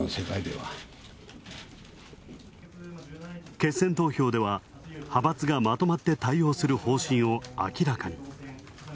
決選投票では派閥がまとまって対応する方針を明らかに。